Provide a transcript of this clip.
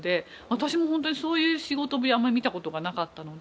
私も本当にそういう仕事ぶりあんまり見た事がなかったので。